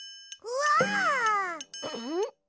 うん？